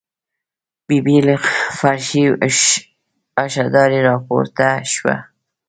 ببۍ له فرشي اشدارې راپورته شوه.